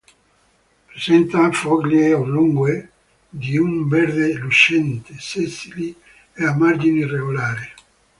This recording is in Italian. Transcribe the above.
Presenta foglie oblunghe, di un verde lucente, sessili e a margine irregolare.